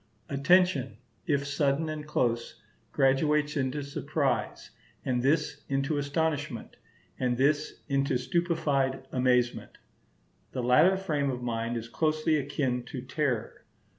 Attention, if sudden and close, graduates into surprise; and this into astonishment; and this into stupefied amazement. The latter frame of mind is closely akin to terror.